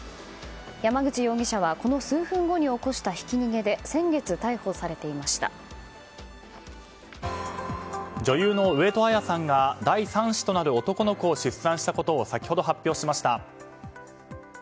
山口容疑者はこの数分後に起こしたひき逃げで女優の上戸彩さんが第３子となる男の子を出産したことを先ほど発表しました。